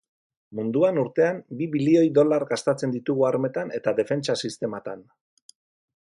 Munduan urtean bi bilioi dolar gastatzen ditugu armetan eta defentsa sistematan.